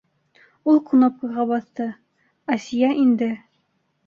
Ул кнопкаға баҫты - Асия инде.